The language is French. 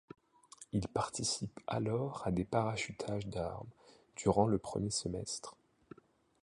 Il participe alors à des parachutages d’armes, durant le premier semestre.